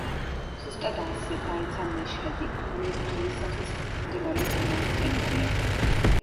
ზუსტად ასე, დაეცა მეშჰედი, რომელიც დღეისათვის მდებარეობს ირანის ტერიტორიაზე.